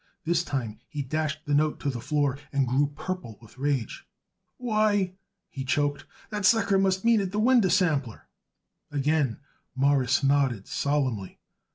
This time he dashed the note to the floor and grew purple with rage. "Why," he choked, "that sucker must mean it the winder sample." Again Morris nodded solemnly.